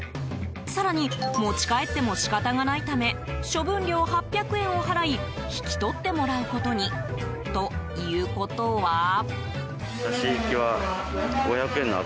更に、持ち帰っても仕方がないため処分料８００円を払い引き取ってもらうことに。ということは。